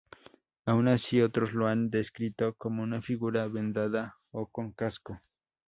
Aun así, otros lo han descrito como una figura vendada o con casco.